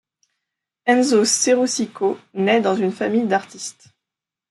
Enzo Cerusico naît dans une famille d'artistes.